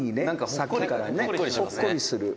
「さっきからね、ほっこりする」